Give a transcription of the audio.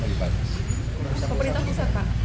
pemerintah pusat pak